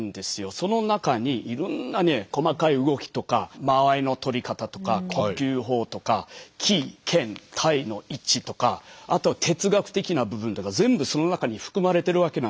その中にいろんな細かい動きとか間合いのとり方とか呼吸法とかあと哲学的な部分とか全部その中に含まれてるわけなんですよね。